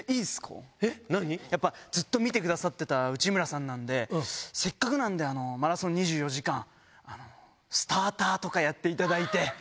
やっぱずっと見てくださってた内村さんなんで、せっかくなんで、マラソン２４時間、スターターとかやっていただいて。